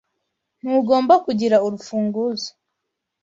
Ntugomba kugira urufunguzo.